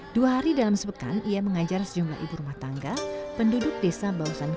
dua hari dalam sebekan ia mengajar sejumlah ibu rumah tangga penduduk desa bausan kidul dan bausan lor